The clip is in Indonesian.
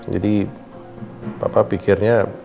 jadi papa pikirnya